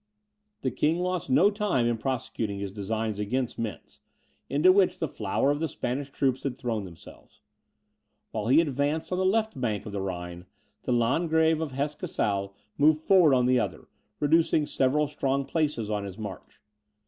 The king lost no time in prosecuting his designs against Mentz, into which the flower of the Spanish troops had thrown themselves. While he advanced on the left bank of the Rhine, the Landgrave of Hesse Cassel moved forward on the other, reducing several strong places on his march.